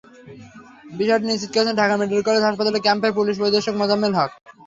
বিষয়টি নিশ্চিত করেছেন ঢাকা মেডিকেল কলেজ হাসপাতাল ক্যাম্পের পুলিশ পরিদর্শক মোজাম্মেল হক।